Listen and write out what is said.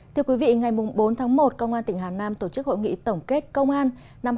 thưa quý vị ngày bốn tháng một công an tỉnh hà nam tổ chức hội nghị tổng kết công an năm hai nghìn hai mươi ba